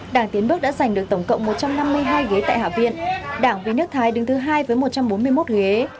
đảng tiến bước đã giành được tổng cộng một trăm năm mươi hai ghế tại hạ viện đảng viên nước thái đứng thứ hai với một trăm bốn mươi một ghế